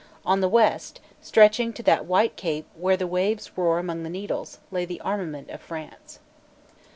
On the west, stretching to that white cape where the waves roar among the Needles, lay the armament of France.